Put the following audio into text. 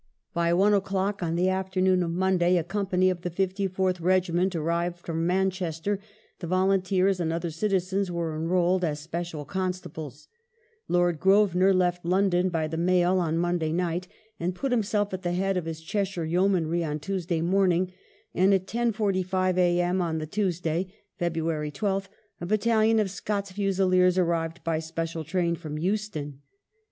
By one o'clock on the afternoon of Monday a company of the 54th Regiment arrived from Manchester, the volunteers and other citizens were enrolled as special constables ; Lord Grosvenor left London by the mail on Monday night and put himself at the head of his Cheshire Yeomanry on Tuesday morning, and at 10.45 a.m. on the Tuesday (Feb. 12th) a battalion of Scots Fusiliers arrived by special train from Euston.